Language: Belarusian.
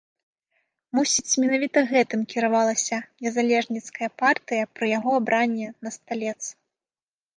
Мусіць, менавіта гэтым кіравалася незалежніцкая партыя пры яго абранні на сталец.